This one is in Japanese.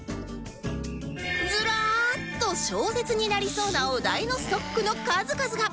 ずらーっと小説になりそうなお題のストックの数々が